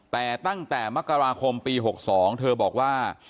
แต่ตั้งแต่มกราคมปี๖๒เธอบอกว่า